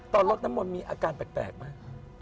ตอนรถนั้นมันมีอาการแปลกมั้ย